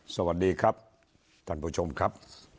สวัสดีครับท่านผู้ชมครับ